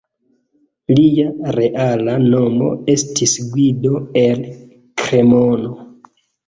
Lia reala nomo estis Guido el Kremono.